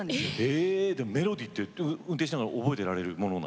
えでもメロディーって運転しながら覚えてられるものなんですか？